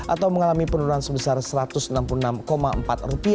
atau mengalami penurunan sebesar rp satu ratus enam puluh enam empat